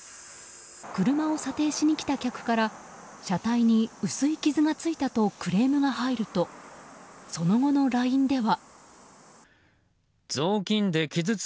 車を査定しに来た客から車体に薄い傷がついたとクレームが入るとその後のＬＩＮＥでは。